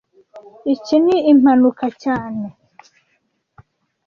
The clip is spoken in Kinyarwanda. Iki ni impanuka cyane